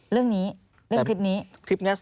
เรื่องนี้เรื่องคลิปนี้